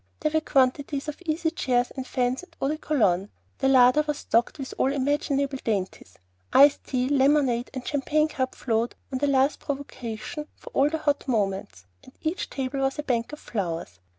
There were quantities of easy chairs and fans and eau de cologne; the larder was stocked with all imaginable dainties, iced tea, lemonade, and champagne cup flowed on the least provocation for all the hot moments, and each table was a bank of flowers.